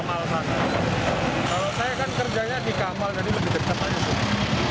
kalau saya kan kerjanya di kamal jadi lebih dekat